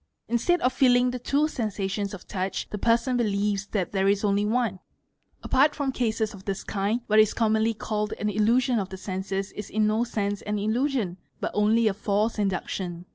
Instead of feeling e two sensations of touch the person believes that there is only one. part aia cases of this kind, what is commonly called an "illusion of 'senses'? is in no sense an illusion but only a false induction.